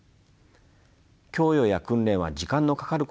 供与や訓練は時間のかかることであります。